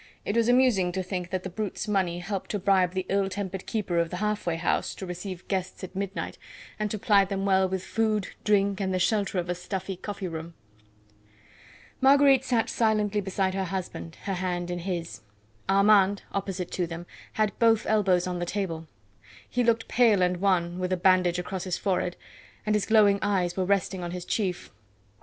It was amusing to think that the brute's money helped to bribe the ill tempered keeper of the half way house to receive guests at midnight, and to ply them well with food, drink, and the shelter of a stuffy coffee room. Marguerite sat silently beside her husband, her hand in his. Armand, opposite to them, had both elbows on the table. He looked pale and wan, with a bandage across his forehead, and his glowing eyes were resting on his chief.